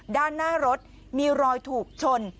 ด้านหน้ารถมีรอยถูกชน